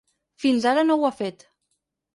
Fins ara no ho ha fet.